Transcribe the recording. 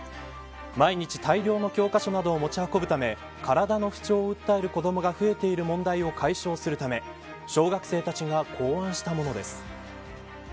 毎日、大量の教科書などを持ち運ぶため体の不調を訴える子どもが増えている問題を解消するため小学生たちが考案したものです。